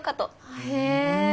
へえ。